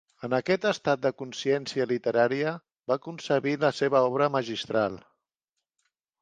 En aquest estat de consciència literària va concebir la seva obra magistral.